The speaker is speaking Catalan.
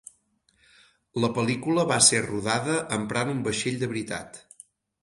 La pel·lícula va ser rodada emprant un vaixell de veritat.